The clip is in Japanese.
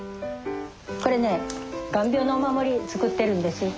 これね眼病のお守り作ってるんです。